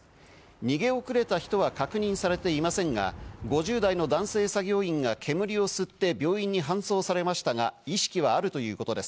逃げ遅れた人は確認されていませんが、５０代の男性作業員が煙を吸って病院に搬送されましたが意識はあるということです。